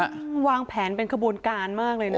ต้องวางแผนเป็นขบูรณ์การมากเลยเนี่ย